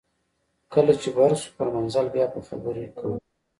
کله چې بر شو پر منزل بیا به خبرې کوو